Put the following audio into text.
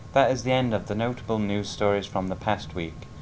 là nhà nhà nhà nhà học